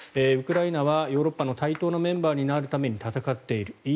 ウクライナはヨーロッパの対等なメンバーになるために戦っている。